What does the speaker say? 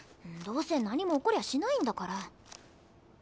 どうせ何も起こりゃしないんだから。